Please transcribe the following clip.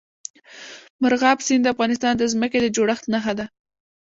مورغاب سیند د افغانستان د ځمکې د جوړښت نښه ده.